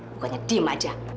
pokoknya diam saja